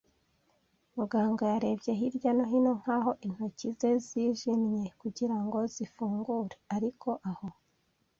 Muganga yarebye hirya no hino, nkaho intoki ze zijimye kugirango zifungure; ariko aho